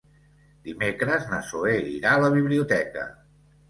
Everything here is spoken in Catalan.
Dimecres na Zoè irà a la biblioteca.